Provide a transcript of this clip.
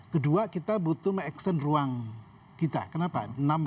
kedua kita butuh mengekstern ruang kita kenapa